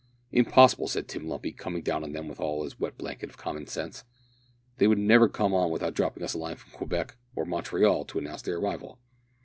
"Impossible!" said Tim Lumpy, coming down on them all with his wet blanket of common sense. "They would never come on without dropping us a line from Quebec, or Montreal, to announce their arrival."